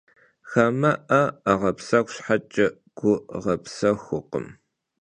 Xame'e 'eğepsexu şheç'e, gu ğepsexukhım.